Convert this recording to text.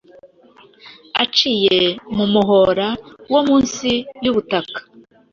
aciye mu muhora wo munsi y'ubutaka